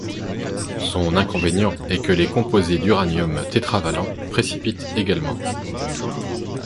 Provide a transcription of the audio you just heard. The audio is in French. Son inconvénient est que les composés d'uranium tétravalent précipitent également.